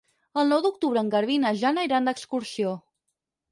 El nou d'octubre en Garbí i na Jana iran d'excursió.